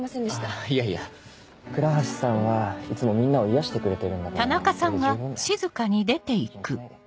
あぁいやいや倉橋さんはいつもみんなを癒やしてくれてるんだからそれで十分だよ気にしないで。